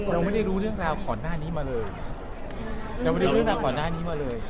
เราไม่ดูเรื่องราวขอนหน้านี้มาเลย